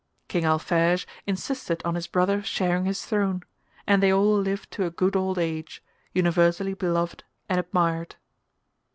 King Alphege insisted on his brother sharing his throne, and they all lived to a good old age, universally beloved and admired.